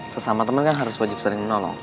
sesama temen kan harus wajib saling nolong